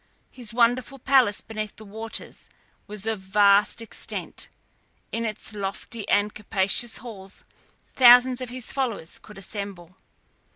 His wonderful palace beneath the waters was of vast extent; in its lofty and capacious halls thousands of his followers could assemble.